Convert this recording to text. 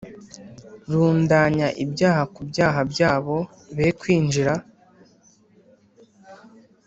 Rundanya ibyaha ku byaha byabo be kwinjira